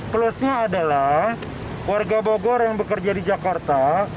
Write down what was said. plusnya adalah warga bogor yang bekerja di jakarta